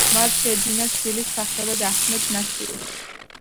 მათ შეეძინათ შვილი სახელად აჰმედ ნასირი.